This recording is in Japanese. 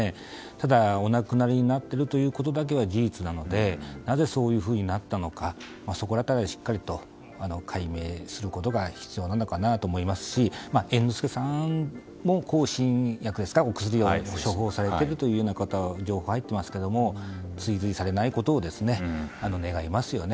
ただ、お亡くなりになっていることだけは事実なのでなぜ、そういうふうになったかその辺はしっかり解明することが必要かと思いますし猿之助さんも向精神薬お薬を処方されているという情報が入っていますが追随されないことを願いますよね。